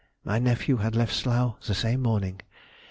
My nephew had left Slough the same morning.